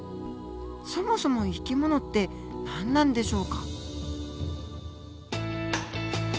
そもそも生き物って何なんでしょうか。